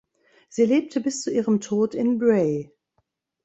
Sie lebte bis zu ihrem Tod in Bray.